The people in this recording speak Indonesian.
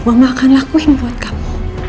allah akan lakuin buat kamu